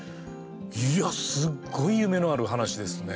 いや、すっごい夢のある話ですね。